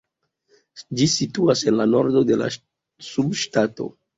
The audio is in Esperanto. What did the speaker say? Ĝi situas en la nordo de la subŝtato.